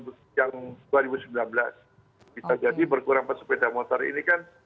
bisa jadi berkurang sepeda motor ini kan